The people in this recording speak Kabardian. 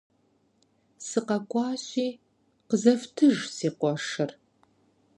СыкъэкӀуащи, къызэфтыж си къуэшыр.